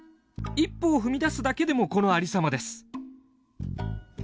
一歩を踏み出すだけでもこの有様です。